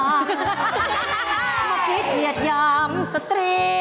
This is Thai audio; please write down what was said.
มาพริกเผียดยามสตรี้